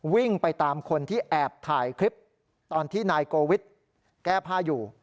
วิ่งไปตามคนที่แอบถ่ายคลิปตอนที่นายโกวิทแก้ผ้าอยู่